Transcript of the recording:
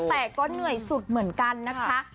แต่ก็เหนื่อยสุดเหมือนกันนะคะ